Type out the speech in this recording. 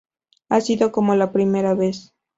Ha sido como la primera vez".